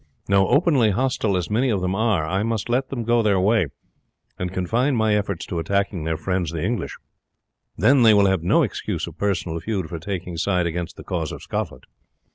No; openly hostile as many of them are, I must let them go their way, and confine my efforts to attacking their friends the English. Then they will have no excuse of personal feud for taking side against the cause of Scotland.